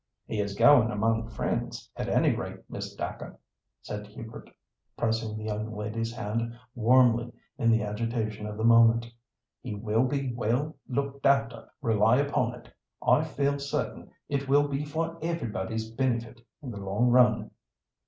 "He is going among friends, at any rate, Miss Dacre," said Hubert, pressing the young lady's hand warmly in the agitation of the moment. "He will be well looked after, rely upon it. I feel certain it will be for everybody's benefit in the long run."